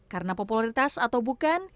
karena popularitas atau bukan